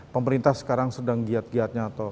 pemerintah sekarang sedang giat giatnya atau